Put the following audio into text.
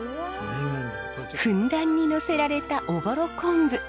ふんだんにのせられたおぼろ昆布。